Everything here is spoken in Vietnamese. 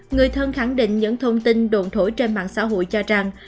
người thân khẳng định những thông tin đồn thổi trên mạng xã hội cho rằng